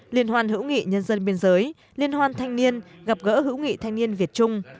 liên hoan hữu nghị nhân dân biên giới liên hoan thanh niên gặp gỡ hữu nghị thanh niên việt trung